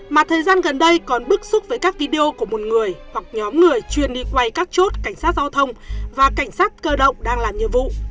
mà thời gian gần đây còn bức xúc với các video của một người hoặc nhóm người chuyên đi quay các chốt cảnh sát giao thông và cảnh sát cơ động đang làm nhiệm vụ